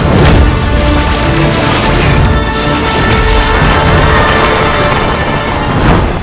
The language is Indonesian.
kau akan menang